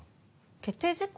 決定事項？